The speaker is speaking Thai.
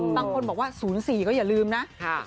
บางคนบอกว่า๐๔ก็อย่าลืมนะ